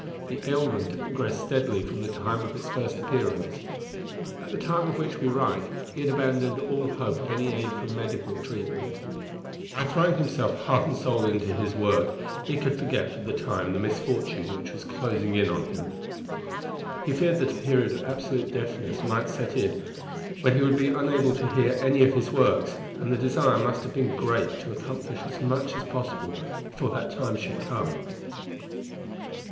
The ailment had progressed steadily from the time of its first appearance; at the time of which we write he had abandoned all hope of any aid from medical treatment; by throwing himself heart and soul into his work, he could forget for the time the misfortune which was closing in on him. He feared that a period of absolute deafness might set in when he would be unable to hear any of his works, and the desire must have been great to accomplish as much as possible before that time should come.